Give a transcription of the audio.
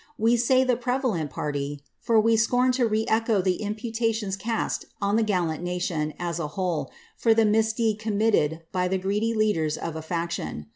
We say the pirvalent party, for we scorn to re echo the imputations cast on the gal (ut nation, as a whole, for the misdeed committed by the greedy leaders if a Action.